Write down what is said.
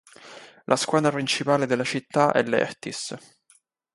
La squadra principale della città è l'Ertis.